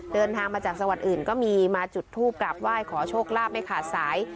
เดินทางมาจากจังหวัดอื่นก็มีมาจุดทูปกลับไหว้ขอโชคลาภไม่ขาดสาย